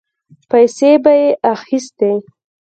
پيسې به يې اخيستې.